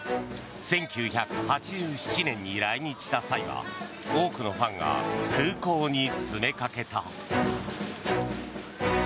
１９８７年に来日した際は多くのファンが空港に詰めかけた。